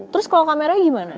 terus kalau kamera gimana